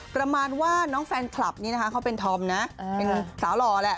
ประมาณว่าน้องแฟนคลับนี้นะคะเขาเป็นธอมนะเป็นสาวหล่อแหละ